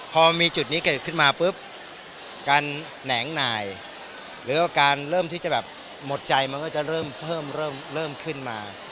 พอมีจุดนี้เกิดขึ้นมาปุ๊บการแหนงหน่ายหรือว่าการเริ่มที่จะแบบหมดใจมันก็จะเริ่มเพิ่มเริ่มขึ้นมา